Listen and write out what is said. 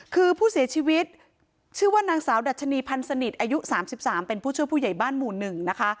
คือผู้เสียชีวิตชื่อว่านางสาวดัชนีพันธ์สนิทอายุ๓๓เป็นผู้ช่วยผู้ใหญ่บ้านหมู่๑นะคะ